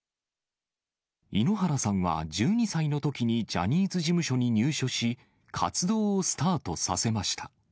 井ノ原さんは１２歳のときにジャニーズ事務所に入所し、活動をスタートさせました。